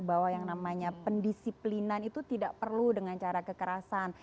bahwa yang namanya pendisiplinan itu tidak perlu dengan cara kekerasan